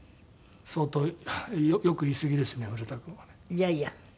いやいや。